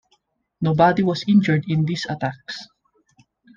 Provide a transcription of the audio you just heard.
Nobody was injured in these attacks.